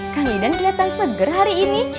kang idan kelihatan seger hari ini